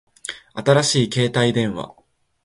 新しい携帯電話